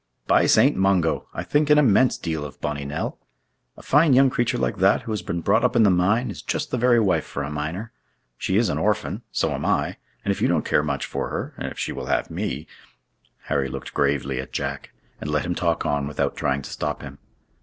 "By Saint Mungo! I think an immense deal of bonny Nell! A fine young creature like that, who has been brought up in the mine, is just the very wife for a miner. She is an orphan—so am I; and if you don't care much for her, and if she will have me—" Harry looked gravely at Jack, and let him talk on without trying to stop him.